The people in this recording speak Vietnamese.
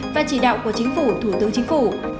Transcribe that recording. và chỉ đạo của chính phủ thủ tướng chính phủ